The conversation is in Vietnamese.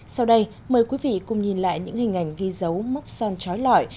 sau đây mời quý vị cùng nhìn lại những hình ảnh ghi dấu móc son trói lõi